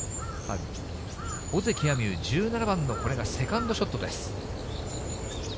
尾関彩美悠、１７番のこれがセカンドショットです。